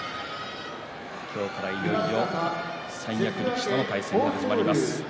今日から、いよいよ三役力士との対戦が始まります。